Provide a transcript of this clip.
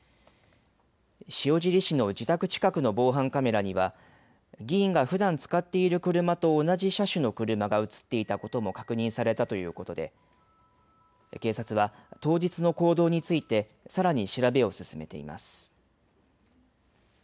塩尻市の自宅近くの防犯カメラには議員がふだん使っている車と同じ車種の車が写っていたことも確認されたということで警察は当日の行動についてさらに調べを進めています。